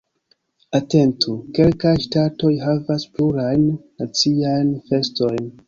Atentu: Kelkaj ŝtatoj havas plurajn naciajn festojn.